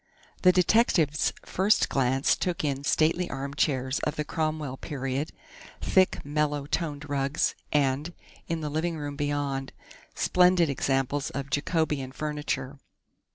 The detective's first glance took in stately armchairs of the Cromwell period, thick, mellow toned rugs, and, in the living room beyond, splendid examples of Jacobean furniture.